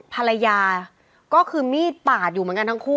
ภรรยาก็คือมีดปาดอยู่เหมือนกันทั้งคู่